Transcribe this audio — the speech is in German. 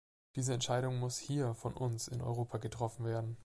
Diese Entscheidung muss hier von uns in Europa getroffen werden.